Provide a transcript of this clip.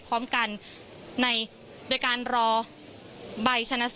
พูดสิทธิ์ข่าวธรรมดาทีวีรายงานสดจากโรงพยาบาลพระนครศรีอยุธยาครับ